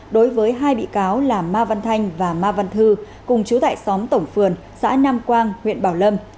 đối với hai bị cáo là ma văn thanh và ma văn thư cùng chú tại xóm tổng phường xã nam quang huyện bảo lâm